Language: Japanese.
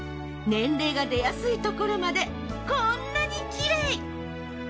年齢が出やすいところまでこんなにきれい！